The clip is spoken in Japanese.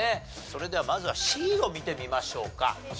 それではまずはＣを見てみましょうか。